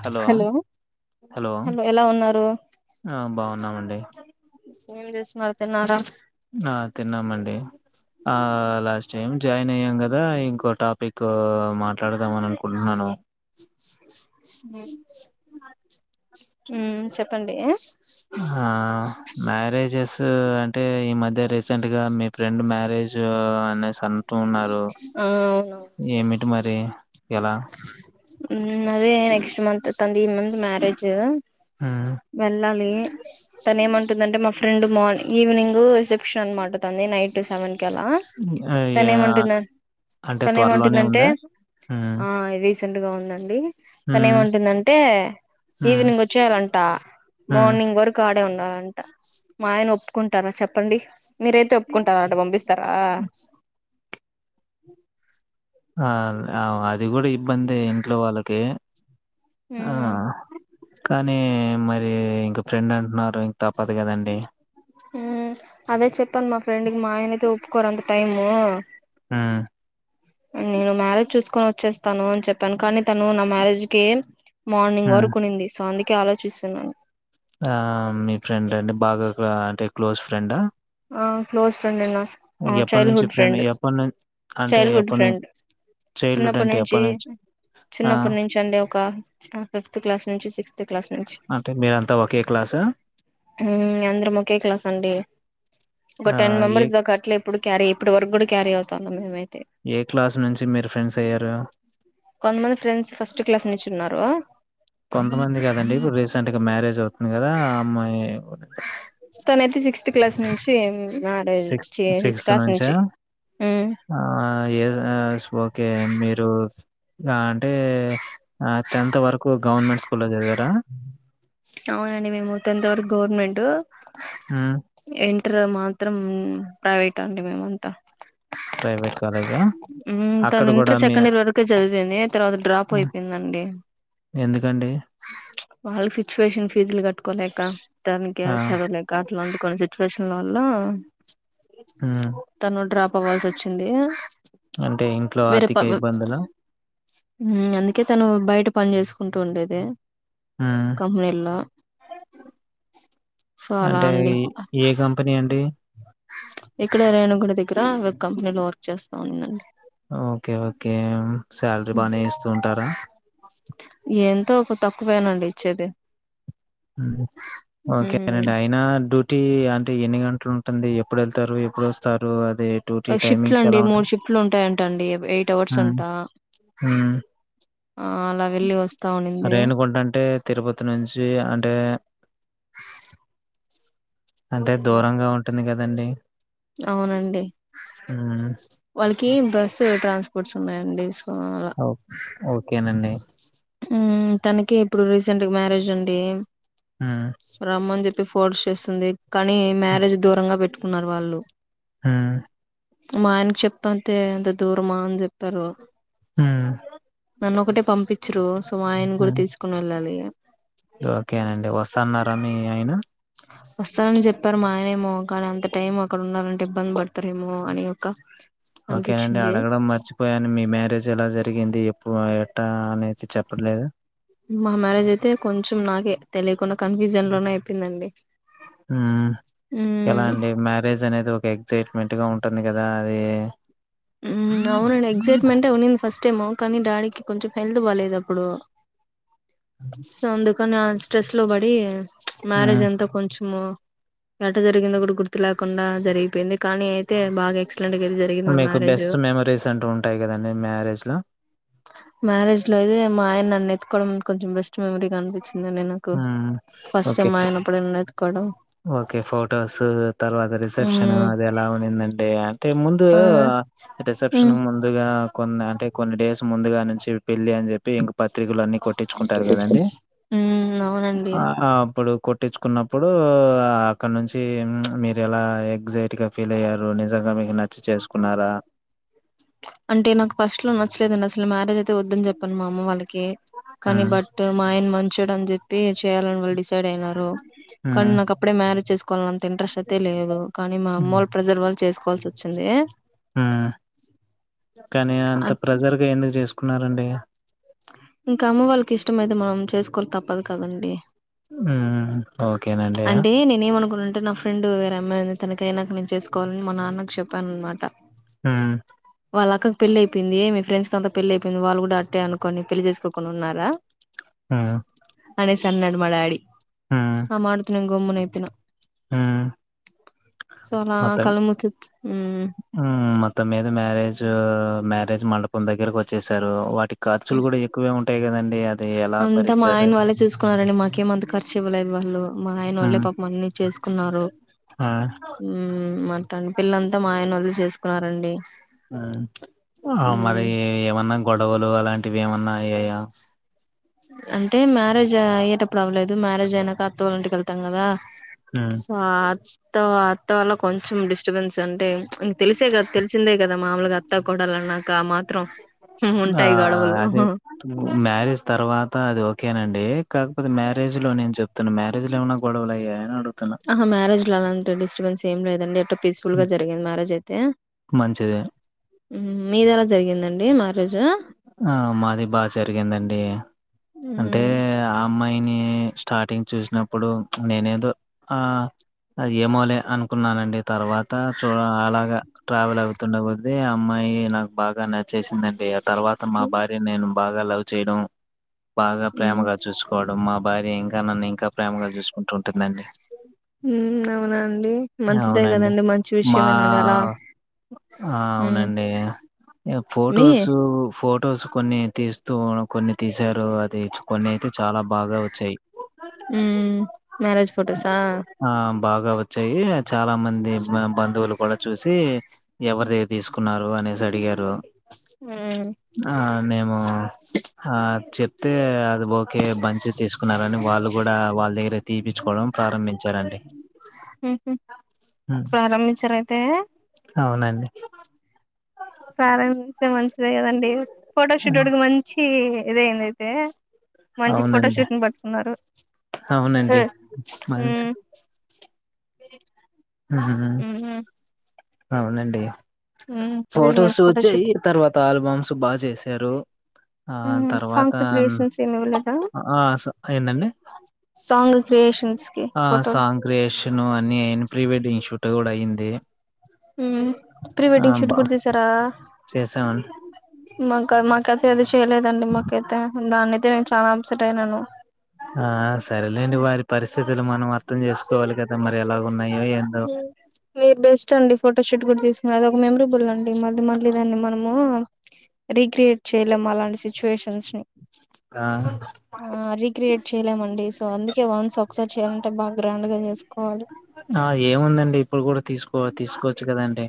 Hello hello ఎలా ఉన్నారు బాగున్నామండి ఏం చేస్తున్నారు తిన్నారా ఆ చైన్ జాయ్ నేను కదా ఇంకో టాపిక్ తో మాట్లాడదాం అని అనుకుంటున్నాను మ్ ఉ చెప్పండి ఆ ఆ మ్యారేజ్స్ అంటే ఈ మధ్య అద రసెంట్గా మీ ఫ్రెండ్ మ్యారేజ్ అనే స ఆ అవునవునుండి ఏమిటి మరి ఎలా అదే నెక్స్ట్ మంత్ తనది ఈ మంత్ మ్యారేజ్ ఉమ్ వెళ్ళాలి తన ఏమంటుందంటే మా ఫ రెండు మార్నింగ్ ఈవినింగ్ రిసెప్షన్ అనమాట తంది నైట్ టు సెవెన్ కి అలా ఆ యా అంటే తానేమంటుందితనే త్వరలోనే ఏమంటుందంటే ఉందా ఉమ్ రీసం డుగా ఉందండి తను ఉమ్ ఏముంటుందంటే ఉమ్ ఈవినింగ్ వచ్చేయాలంట ఉమ్ మార్నింగ్ వరకు ఆడే ఉండ అ మా ఆయన ఒప్పుకుంటారా చెప్ప చెప్పండీ మీరైతే ఒప్పుకుంటార అట పంపిస్తారా ఆ అది కూడా ఇబ్బంది ఇంట్లో వాళ్ళకి ఆ ఉమ్ కానీ మరి ఇంక ఫ్రెండ్ అంటున్నారు ఇంకా తప్పదు కదండి మ్ అదే చెప్ ప్ప మా ఫెండ్కి మా ఆయనయితే ఒప్పుకోరు అంత టైమ్ ఆ హ్మ్. నేను మారజ చూసుకో ని వచ్చేస్తాను అని చెప్పాను కానీ తను నా మ్యారేజ్ కి మార్నింగ్ హ్మ్. వరకు ఉనింది స్వామి అందుక ఆలోచిస్తున్నాను ఆ మీ ఫ్రెండ్ అండి బాగా అంటే ఆ క్లోజ్ ఫ్రెండా క్లోస్ ఫ్రెండ్ అండి [unintelligible] ఆ చైల్డ్ ఎప్పటినుంచి హుడ్ ఫ్రెండ్ ఎప్పటినుం అంటే చైల్డ్ హుడ్ ఎప్పటినుం ఫ్రెండ్ చైల్డ్‌హుడ్ చిన్నప్పటి అంటే నుంచి ఎప్పటినుంచి? ఆ! చిన్నప్పటి నుంచి అండి ఒక ఫిఫ్త్ క్లాస్ నుంచి సిక్స్త్ క్లాస్ నుంచి అంటే మీరంతా ఒకే క్లాసా? ఉమ్ అందరం ఒకే క్లాస్ అండి ఒక ఆ! టెన్ ఏ మెంబర్స్ దాకా అట్లే ఇప్పుడు క్యారీ ఇప్పుడు వరకు కూడా క్యారీ అవు తమిళమే ఏ క్లాస్ నుంచి మీరు ఫ్రెండ్స్ అయ్యారు కొంతమంది ఫ్రెండ్స్ ఫస్ట్ క్లాస్ నుంచి ఉన్నారు మ్యారేజో ఉంది కదా ఆ అమ్మాయి తనైతే సిక్స్త్ క్లాస్ నుంచి మ్యారేజ్ సిక్స్ చి సిక్స్త్ క్లాస్ నుంచ నుంచి ఉమ్ ఆ ఏదో ఓకే మీరు ఆ అంటే టెన్త్ వరకు గవర్నమెంట్ స్కూల్లో చదివారా అవునండి మేము టెన్త్ వరకు గవర్నమెంట్ హ్మ్. ఇన్ టార్ మాత్రం ప్రైవేట్ అండి మేమంతా ప్రైవేట్ కాలేజా ఉమ్ అక్కడ తను కూడా ఇంటర్ మీ సెకండ్ ఇయర్ వరకే చదివింది తర్వాత డ్రాప్ అయిపోయిందండి ఎందుకండి వాళ్ళ సిట్యుయేషన్ ఫీజులు కట్టు కోలేక తనికి ఆ చదవలేక అట్లాంటి కొన్ని సిచువేషన్ వాళ్ళ ఉమ్ తను డ్రాప్ పోవాల్సి వచ్చింది అంటే ఇంట్లో ఆర్థిక ఇబ్బందుల ఉమ్ అందుకే తను బయట పని చేసుకుంటూ ఉండేది దే ఉమ్ కంపెనీల్లో సో అలా అంటే అండి ఏ ఏ కంపెనీ అండి ఇక్కడ రేణు గుడి దగ్గర వ కంపెనీలో వర్క్ చేస్తా ఉందండీ ఓకే ఓకే శాలరీ బానే ఇస్తూ ఉంటారా ఎంతో ఒక తక్కువ నండి ఇచ్చేది ఉమ్ ఓకే మ్మ్ అండి అయినా డు టి అంటే ఎన్ని గంటలు ఉంటుంది ఎప్పుడు వెళ్తారు ఎప్పుడు వస్తారు అద్ షిఫట్ లు అండి మూడు షిఫ్ట్లు ఉంటాయంట అండి ఎయిట్ అవర్స్ ఉమ్ ఉంటా అ రేణకుంటంటే తిరుపతి నుంచి అంటే అంటే దూరంగా ఉంటుంది కదా తే అవునండి హ వాళ్ళకి బస్ ట్రాన్స్పోర్ట్స్ ఉన్నాయంండి ఓ ఓకేనండి మ్మ్ తనకి ఇప్పుడు రీసెంట్ గా మ్యారేజ్ అండి ఉమ్ రమన్జ ఫోడ్ చేస్తుంది కానీ మ్యారేజ్ దూరంగా పెట్టు పున్నారుర్ వాళ్ళు హ మన్ చెప్పంతే ఎంత దూరమా అని చెప్పారు హ నన్ను ఒకటే పంపించరుు సో ఆయన కూడా తీసుకుని వెళ్ళాలి ఓకేనండి వస్తాన్నారా మీ అయిన వస్తానని చెప్పారు మాయనే ఏమో కానీ అంత టైం ఒక ఎడ ఉన్నాలంటే ఇబ్బంది పడతారేమో అనియ ఓకేనండి అడగడం మర్చిపోయాను మీ మ్యారేజ్ ఎలా జరిగింది ఇప్పుడు ఎట అనేతే చెప్పట్లేదు మా మ్యారేజ్ అయితే కొంచెం నాకే తెలియకుండా కన్ఫ్యూజన్ లోనే అయిపోయిందండి ఎలా ఉమ్ అండి మ్యారేజ్ అనేది ఒక ఎగ్సైట్మెంట్ అట్టుగా ఉంటుంది కదా అది ఉ అవునుండి ఎక్సైట్మెంట్ అవునుంద ఫస్ట్ ఇష్టేమో కానీ డాడీకి కొంచెం హెల్త్ పాలేదు అప్పుడు సందుకానే అ స్ట్రెస్ లో పడి మారేజ్ మ్మ్. ఎంత కొంచెం మో ఎట జరిగిందో కూడా గుర్తు లేకుండా జరిగిపోయింది కానీ అయితే బాగా ఎక్ ఇట్లాంటిగరు జరిగిందిమ్మా మీకు బెస్ట్ మెమరీస్ అంటూ ఉంటాయి కదండి మ్యారేజ్ లో మ్యారేజ్ లో అయితే మా ఆయన నన్ను ఎత్తుకోవడం కొంచెం బెస్ట్ మెమరీగా అనిపించింది ఉమ్ ఓకే అప్పుడే నన్ను ఎత్తుకోవడం ఓకే ఫొటోస్ తర్వాత రిసెప్షన్ ఉమ్ అది ఎలా ఉనిందంటే అంటే ముందు ఆ రిసెప్షన్ ఉమ్ ముందుగా కొ అంటే కొన్ని డేస్ ముందుగా నుంచి పెళ్ళి అని చెప్పి ఇంక పత్రికలు అన్ని కొట్టించుకుంటారు కదండి ఉమ్ అవునండి ఆ అప్పుడు కొట్టించుకున్నప్పుడు అక్కడ నుంచి ప్చ్ మీరు ఎలా ఎగ్జైటీగా ఫీల్ అయ్యారు నిజంగా మీకు నచ్చి చేసుకున్నారా అంటే నాకు ఫస్ట్ లో నచ్చలేదండి అసలు మ్యారేజ్ అయితే వద్దని చెప్పాను మా అమ్మ వాళ్ళ కి కాని హ్మ్. బట్ మా ఆయన మంచోడు అని చెప్పి పే చెయ్యాలని వాళ్ళ డిస్ సైడ్ అయినారు కానీ హ్మ్. నాక అప్పుడే మ్యారేజ్ చేసుకోవాలని అంత ఇంట్రెస్ట్ అయితే లేదు కానీ మా హ్మ్. అమ్మలు ప్రెషర్ వాళ్ళ చేసుకోవాల్సి వచ్చింది హ్మ్. కానీ అంత అట్ ప్రెషర్ గా ఎందుకు చేసుకున్నారండి ఇంకా అమ్మ వాళ్ళకి ఇష్టమయితే మనం చేసుకోక తప్పదు కదండి ఉమ్ అంటే నేనే ఏమనుకుంటా అంటే నా ఫ్రెండ్ వేరే అమ్మాయి ఉంది తనకై నాక నేను చేసుకోవాలని మా నాన్నకు చెప్పాను అనమాట హ్మ్. వాళ్ళ అక్కకి పెళ్లి అయిపోయింది మీ ఫ్రెండ్స్కి అంత పెళ్లి అయిపోయింది వాళ్ళు కూడా అట్టే అను కొని పెళ్లి చేసుకోకుండా ఉన్నారా హ్మ్. అనేసి అన్నాడు మా డాడి హ్మ్. ఆ మాట తో నేను గమ్మునైయిపోయిన హ్మ్. సో నా మొత్తం కళ్ళముచ్చు ఉమ్ హ్మ్. మొత్తం మీద మ్యారేజ్ మ్యారేజ్ మండపం దగ్గరకి వచ్చేసారు వాటికి ఖర్చులు కూడా ఎక్కువే ఉంటాయికదండి ఏ అంత మా ఆయన వాళ్ళే చూసుకున్నారండి మాకేమంత ఖర్చు ఇవ్వలేదు వాళ్ళు మా ఆయన వాళ్ళే హ్మ్. పాపం అన్ని చేసుకున్నారు ఆ! ఉమ్ అట్ అడి పిల్లంతా మా ఆయన వాళ్ళ చేసుకున్నారండి ఉమ్ ఆ మ్మ్ మరి ఏమన్నా గొడవలు అలాంటివి ఏమన్నా అయ్యాయా అంటే మ్యారేజ్ అయ్యేటప్పు డు అవ్వలేదు మారేజ్ అయినాక అత్తోల్ల ఇంటికి వెళ్ళి తంగాద హ్మ్ స త అత్త వల్ల కొంచెం డిస్టర్బెన్స్ అంటే తెసేగదది తెలిసిందేగది ద మామలు అత్తా కొడాలన్నాక మా ఆ అది మ్యరజ తర్వాత అది ఓకేనండి కాకపోతే మ్యారేజ్ లో నేను చెప్తాను మ్యారేజ్ లో ఏమన్నా గొడవలు అయ్యాన్నాడు ఆహా మ్యారేజ్ ఇట్ అలాంటి స్టబెన్స్ ఏ లేదండి ఎ పీస్ఫుల్ గా హ్మ్. జరిగింది మ్యారేజ్ అయితే మంచిదే మీద ఎలా జరిగిందండి మా రోజు ఆ మాది బాగా జరిగిందండి అంటే మ్మ్ ఆ అమ్మాయిని స్టార్టింగ్ చూసినప్పుడు నేనేదో ఆ ఏమోలే అనుకున్నానండి తర్వాత చ అలగా ట్రావెల్ ఆ ండపోద్ది ఆ అమ్మాయి నాకు బాగా నచ్చేసిందిందండి ఆ తర్వాత తమ్మ భార్య నేను బాగా లవ్ చేయడం బాగా మ్మ్ ప్రేమగా చూసుకోవాలి ఇప్పు మా భార్య ఇంకా నన్ను ఇంకా ప్రేమగా చూసుకుంటూ ఉంటుందండి అవునా అండి మంచిదే అవునండి కదండి మంచి మా విషయేనండి అలా ఆ అవునండి మీ ఫొటోస్ ఫొటోస్ కొన్ని తీస్తూ కొన్ని తీసారు అది కొన్ని అయితే చాలా బాగా వచ్చాయి మ్మ్ మ్యారేజ్ ఫొటోసా ఆ బాగా వచ్చాయి చాలా మంది బంధువులు కూడా చూసి ఎవరి ద తీసుకున్నారు అనేసి అడిగారు అ మ్మ్ ఆ మేము ఆ చెప్తే అది ఓకే బంచి తీసుకున్నారని వాళ్ళు కూడా వాళ్ళ దగ్గర తీపిచ్చుకోవడం ప్రారంభించారండి మ్హు ప్రారంభించారయితే అవునండి ప్రారంభించే మంచిదే కదండి ఫోటోషూట్ అడుకి మంచి ఇదే ఏందైతే మంచి అవునండి ఫోటోషూట్ంగ్ పట్టుకున్నారు అవునండి మంచి ఉమ్ ఇ హ్మ్ హ్మ్ అవునండి మ్మ్ అదే మీ ఫొటోస్ వచ్చాయి ఫోటోషూట్ తర్వాత ఆల్బమ్స్ బాగా చేసారు ఆ మ్మ్ తర్వాత సాంగ్స్ క్రియేషన్స్ ఏమి ఇవ్వలేదా ఆ ఏందండి సాంగ్ క్రియేషన్ ఆ సాంగ్ క్రియేషను అనిన్ ప్రీ వెడ్డింగ్ షూట్ టుూడ అయింది ఉమ్ ప్రీ ఆ వెడ్డింగ్ షూట్ బా కుడా చేసారా చేసామండి మా క మాకైతే అది చేయలేదండి మాకైతే దాన్నియితే నేను చాలా అప్సెట్ అయినాను ఆ సరేలేండి వారి పరిస్థితులు మనం అర్థం చేసుకోవాలి కదా మరి ఎలాగ ఉన్నాయో ఏంటో మీరు బెస్ట్ అండి ఫోటోషూట్ కూడా తీసుకునే అది ఒక మెమరబుల్ అండి మళ్ళీ మళ్ళీ దాని మనము ఆ రీక్రియేట్ చేయలేము అలాంటి సిచ్యువేషన్స్ ని ఆ ఆ రీక్రియేట్ చేయలేమండి బావుంది కే వన్స్ ఒకసారి చేయాలంటే బాగా గ్రాండ్ గా చేసుకోవాలి కో తీసుకోవచ్చు కదండీ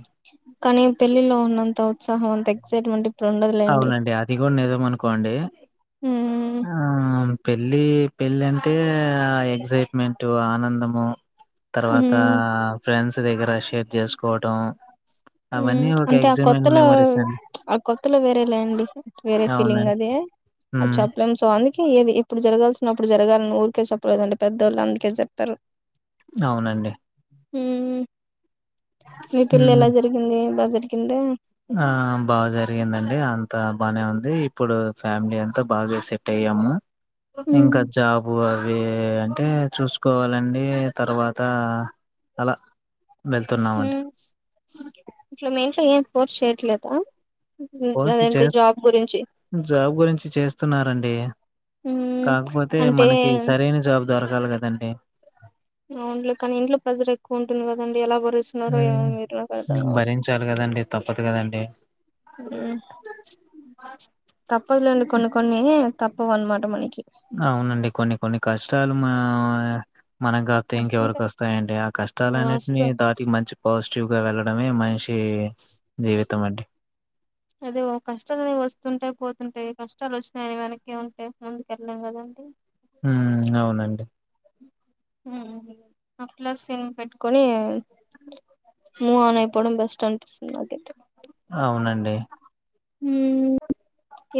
కానీ పెళ్ళిలో ఉన్నం తా ఉత్సాహం అంత ఎక్సైట్మెంట్ ఇప్పుడు ఉండదులేండి అవునండి అది కూడా నిజం అనుకోండి మ్మ్ ఆ పెళ్ళి పెళ్ళి అన టే ఆ ఎక్సైట్మేంటు ఆనందము తర్వాత మ్మ్ ఫ్రెండ్స్ దగ్గర షేర్ చేసుకోవటం ఉమ్ అవన్నీ ఒక అంటే ఆ ఎగ్జిమెంట్ కొత్తలో మెమరీస్ అండి ఆ కొత్త లో వేరేలే అండి వేరే ఫీలింగ్ అవునండి అదే అది ఉమ్ చెప్పలేం సో అండి ఏది ఇప్పుడు జరగాల్సిన అప్పుడు జరగాలని ఊరికే చెప్పలేదండి పెద్దోళ్ళు అందుకే చెప్పారు అవునండి ఉమ్ మీ పిల్ల ఉమ్ ఎలా జర ఎలా జరిగిందో ఆ బాగా జరిగిందండి అంతా బాగానే ఉంది ఇప్పుడు ఫ్యామిలీ అ తా బాగా సెట్ అయ్యాము మ్మ్ ఇంకా జాబు అవి అంటే చూసుకోవాలండి తర్వాత అలా వెళ్తున్నామండి ఉమ్ [unintelligible] ఫోర్స్ చేయట్లేదా ఫోర్స్ చే అదేంటి జాబ్ గురించి జాబ్ గురించి చేస్తున్నారండి మ్మ్ కాకపోతే అంటే మనకి సరైన జాబ్ దొరకాలి కదా అండి అవున్లే కానీ ఇంట్లో ప్రజరు ఎక్కువ ఉంటంది కదండి ఎలా భరిస్తున్నారో ఏమో మీరు నాకు అర్థం భరించాలి కదండి తప్పదు కదండి తప్ప్ తప్పదులెండి కొన్ని కొన్ని తప్ప వనమాట మనకి అవునండి కొన్ని కొన్ని కష్టాలు మా మనగాపోతే ఇంకా వస్తుంటే ఎవరికోస్తాయండి ఆ కష్టాల వస్తు అన్నింటివి దాటి మంచి పాజిటివ్ వెళ్లడమే మనిషి జీవితం అండి. అదే కష్టాలనే వస్తుంటయి పో ఉంటాయ్ కష్టాలు వచ్చినాయని వెనకే ఉంటే ముందుకెళ్ళాం కదండి మ్ అవునండి అట్లాస్ ఫెమ్ పెట్టుకొని మూ్ ఆన్ అయిపోవడం బెస్ట్ అనిపిస్తుంది నాకైతే అవునండి మ్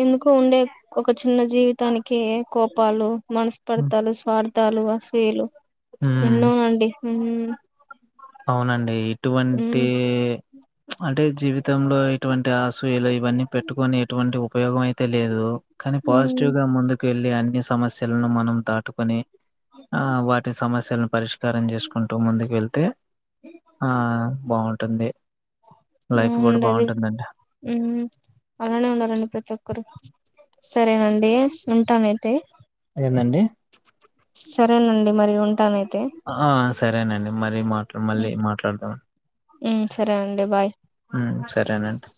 ఎందుకు ఉండే ఒక చిన్న జీవితానికి కో పాలు హ్మ్. మనస్పర్థలు స్వార్థ తలు అసుూయలు హ్మ్. ఎన్నో అండి హ్మ్ అవునండి ఎటువంటీ అంటే జీవితంలో ఎటువంటి ఆసూయులు ఇవన్నీ పెట్టుకొని ఎటువంటి ఉపయోగం అయితే లేదు కానీ పాజిటివ్ ఉమ్ గా ముందుకు వెళ్ అన్ని సమస్య లను మనం దాటుకొని ఆ వాటి సమస్యలను పరిష్కారం చేసుకుంటూ ముందుకెళ్తే ఆ బాగుంటుంది హ్మ్ ఉండది హ్మ్ అలానే ఉండాలండి ప్రతి ఒక్కరు సరే అ అంటే ఉంటామైతే ఏందండి సరేనండి మరి ఉంటానయితే ఆ సరేనండి మరిమా మళ్ళీ మాట్లాడదాం. హ్మ్ సరే అండి బాయ్. హ్మ్ సరేనండి.